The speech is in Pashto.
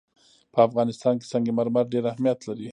په افغانستان کې سنگ مرمر ډېر اهمیت لري.